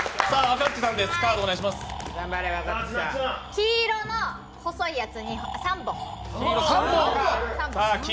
黄色の細いやつ３本。